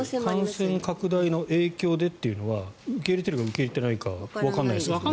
感染拡大の影響でというのは受け入れているかはわからないですね。